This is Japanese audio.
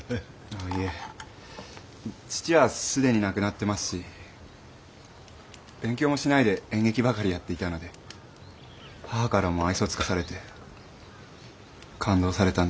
いえ父は既に亡くなってますし勉強もしないで演劇ばかりやっていたので母からも愛想尽かされて勘当されたんです。